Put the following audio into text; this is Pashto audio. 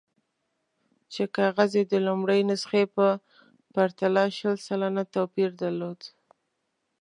چې کاغذ یې د لومړۍ نسخې په پرتله شل سلنه توپیر درلود.